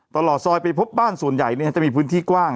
ตลอดซอยไปพบบ้านส่วนใหญ่จะมีพื้นที่กว้าง